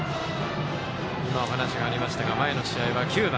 今、お話がありましたが前の試合は９番。